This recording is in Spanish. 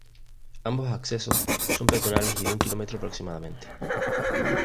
Ambos accesos son peatonales y de un km aproximadamente.